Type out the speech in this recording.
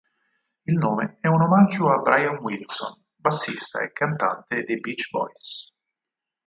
Il nome è un omaggio a Brian Wilson, bassista e cantante dei Beach Boys